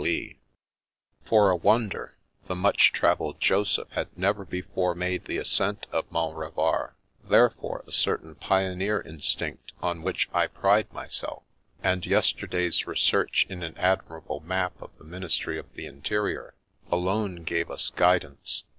The Revenge of the Mountain 281 For a wonder, the much travelled Joseph had never before made the ascent of Mont Revard, there fore a certain pioneer instinct on which I pride my self, and yesterday's research in the admirable map of the Ministry of the Interior, alone gave us guid ance.